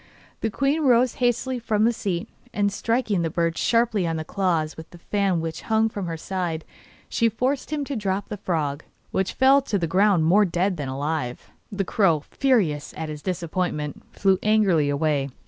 The queen rose hastily from the seat, and striking the bird sharply on the claws with the fan which hung from her side, she forced him to drop the frog, which fell to the round more dead than alive. The crow, furious at his disappointment, flew angrily away.